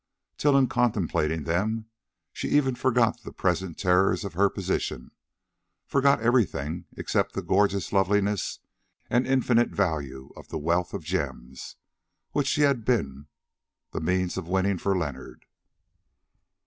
—till in contemplating them she even forgot the present terrors of her position—forgot everything except the gorgeous loveliness and infinite value of the wealth of gems, which she had been the means of winning for Leonard.